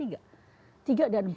tiga dan empat